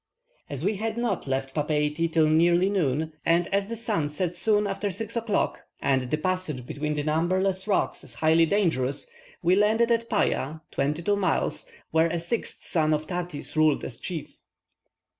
As we had not left Papeiti till nearly noon, and as the sun sets soon after six o'clock, and the passage between the numberless rocks is highly dangerous, we landed at Paya (22 miles), where a sixth son of Tati's ruled as chief.